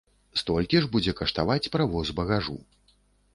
Столькі ж будзе каштаваць правоз багажу.